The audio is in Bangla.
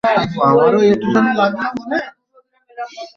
এ মামলার অপর আসামি A B M Kamal Uddin পলাতক রয়েছেন।